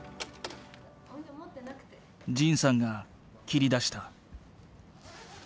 仁さんが切り出した。